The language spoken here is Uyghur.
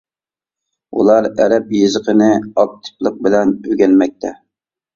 ئۇلار ئەرەب يېزىقىنى ئاكتىپلىق بىلەن ئۆگەنمەكتە.